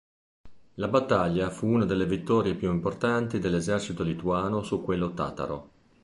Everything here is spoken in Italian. La battaglia fu una delle vittorie più importanti dell'esercito lituano su quello tataro.